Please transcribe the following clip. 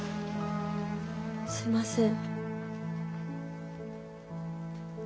すいません。